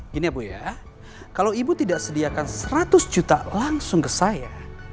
gini ya bu ya kalau ibu tidak sediakan seratus juta langsung ke saya